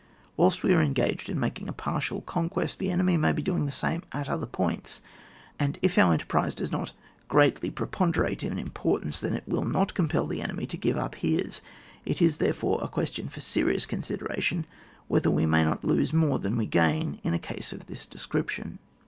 Whilst we are en gaged in making a partial conquest, the enemy may be doing the same at other points, and if our enterprise does not greatly preponderate in importance then it wilUnot compel the enemy to give up his. It is, therefore, a question for serious consideration whether we may not lose more than we gain in a case of this description.